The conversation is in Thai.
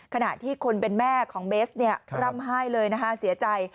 ขณะที่คนเป็นแม่ของเบสร่ำไห้เลยนะคะเสียใจ